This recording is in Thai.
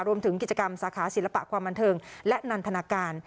รวมถึงกิจกรรมสาขาศิลปะความบันเทิงและนันทนาการ